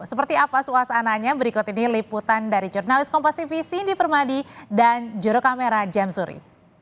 seperti apa suasananya berikut ini liputan dari jurnalis komposisi cindy permadi dan juru kamera jam zuri